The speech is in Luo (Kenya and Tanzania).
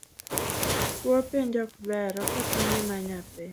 Kuo penj ok ber, oketho ngima nyathi